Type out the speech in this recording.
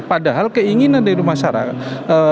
padahal keinginan dari masyarakat